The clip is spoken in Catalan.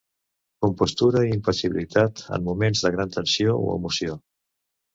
Compostura i impassibilitat en moments de gran tensió o emoció.